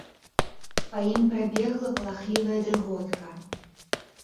Па ім прабегла палахлівая дрыготка.